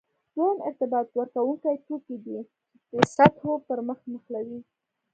دویم ارتباط ورکوونکي توکي دي چې د سطحو پرمخ نښلوي.